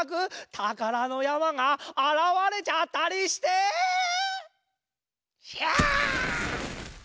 たからのやまがあらわれちゃったりして⁉ひゃあ！